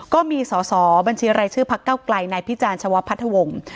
ก็มีสอสอบัญชีรายชื่อพักเก้าไกลนายพิจารณชาวพัทธวงศ์